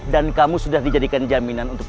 dan kamu sudah dijadikan jaminan